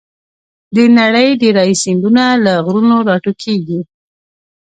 د نړۍ ډېری سیندونه له غرونو راټوکېږي.